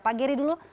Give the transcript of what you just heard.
pak gery dulu